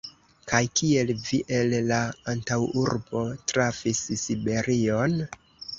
Kaj kiel vi el la antaŭurbo trafis Siberion?